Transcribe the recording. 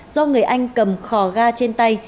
do người anh cầm khò ga trên tay